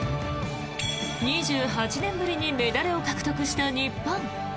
２８年ぶりにメダルを獲得した日本。